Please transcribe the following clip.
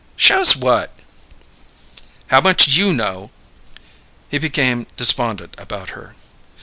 "Shows what?" "How much you know!" He became despondent about her.